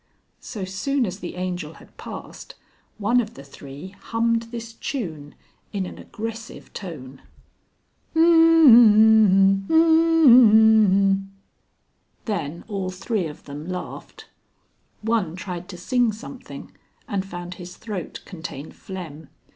So soon as the Angel had passed, one of the three hummed this tune in an aggressive tone. [Illustration: Music] Then all three of them laughed. One tried to sing something and found his throat contained phlegm.